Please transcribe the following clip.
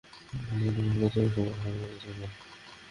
তাঁর ইচ্ছার কাছে যৌথ পরিবারের বেঁকে বসা সদস্যরাও একসময় হার মেনেছিলেন।